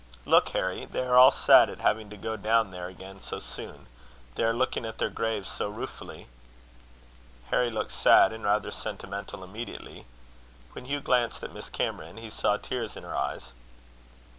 "Look, Harry; they are all sad at having to go down there again so soon. They are looking at their graves so ruefully." Harry looked sad and rather sentimental immediately. When Hugh glanced at Miss Cameron, he saw tears in her eyes.